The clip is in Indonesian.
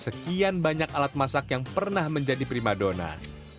sekian banyak alat masak yang pernah menjadi prima donat